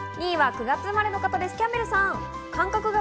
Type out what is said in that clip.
２位は９月生まれの方、キャンベルさん。